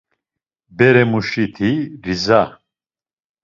Beremuşiti Riza.